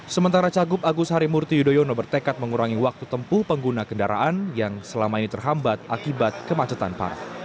sementara cagup agus harimurti yudhoyono bertekad mengurangi waktu tempuh pengguna kendaraan yang selama ini terhambat akibat kemacetan parah